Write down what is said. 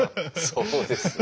そうですね。